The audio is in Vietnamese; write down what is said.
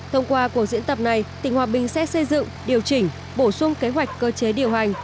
thông qua cuộc diễn tập này tỉnh hòa bình sẽ xây dựng điều chỉnh bổ sung kế hoạch cơ chế điều hành